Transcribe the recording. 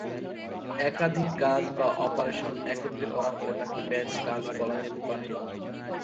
একাধিক কাজ বা অপারেশন একত্রে করা হলে তাকে ব্যাচ কাজ বলা যেতে পারে।